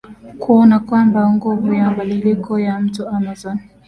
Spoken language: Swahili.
kuona kwamba nguvu ya mabadiliko ya Mto Amazon